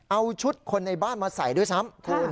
เอาชุดคนในบ้านมาใส่ด้วยซ้ำคุณ